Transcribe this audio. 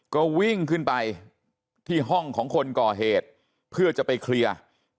ก็วิ่งขึ้นไปที่ห้องของคนก่อเหตุเพื่อจะไปเคลียร์